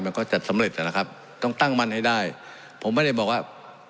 มันก็จะสำเร็จนะครับต้องตั้งมั่นให้ได้ผมไม่ได้บอกว่า